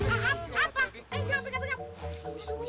eh diam diam diam